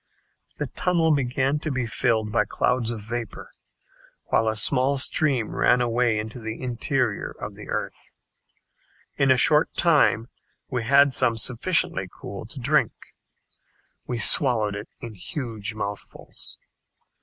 The tunnel began to be filled by clouds of vapor, while a small stream ran away into the interior of the earth. In a short time we had some sufficiently cool to drink. We swallowed it in huge mouthfuls.